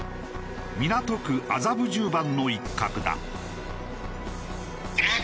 港区麻布十番の一角だ。